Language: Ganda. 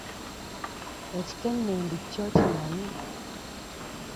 Ekikennembi kyo okimanyi?